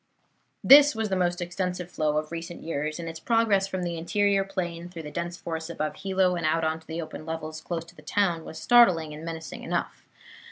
This was the most extensive flow of recent years, and its progress from the interior plain through the dense forests above Hilo and out on to the open levels close to the town was startling and menacing enough.